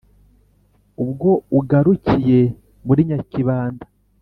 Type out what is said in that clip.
Ubwo ugarukiye mu Nyakibanda,